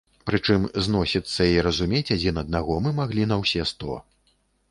Прычым, зносіцца і разумець адзін аднаго мы маглі на ўсе сто.